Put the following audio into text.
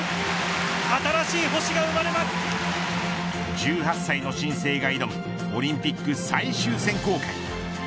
１８歳の新星が挑むオリンピック最終選考会。